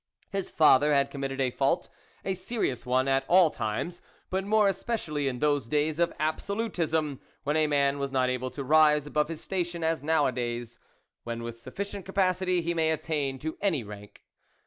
His father had committed a fault, a serious one at all times, but more especi ally in those days of absolutism, when a man was not able to rise above his station as now a days, when with sufficient capacity he may attain to any rank.